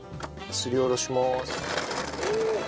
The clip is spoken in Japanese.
すりおろします。